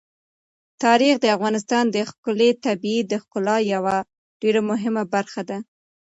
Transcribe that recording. تاریخ د افغانستان د ښکلي طبیعت د ښکلا یوه ډېره مهمه برخه ده.